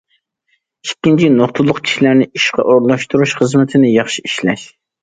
ئىككىنچى، نۇقتىلىق كىشىلەرنى ئىشقا ئورۇنلاشتۇرۇش خىزمىتىنى ياخشى ئىشلەش.